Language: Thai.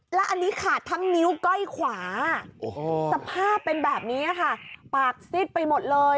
แล้วอันนี้ขาดทั้งนิ้วก้อยขวาสภาพเป็นแบบนี้ค่ะปากซิดไปหมดเลย